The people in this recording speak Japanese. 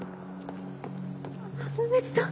あ梅津さん！